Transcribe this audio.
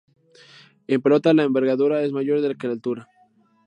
En pelota la envergadura es mayor que la altura.